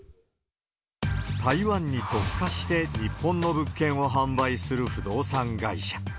台湾に特化して、日本の物件を販売する不動産会社。